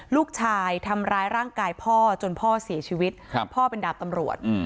ลูกชายทำร้ายร่างกายพ่อจนพ่อเสียชีวิตพ่อเป็นดาบตำรวจ